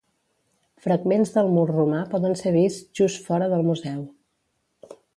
Fragments del mur romà poden ser vists just fora del museu.